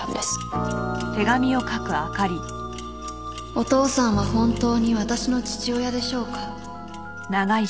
「お父さんは本当に私の父親でしょうか」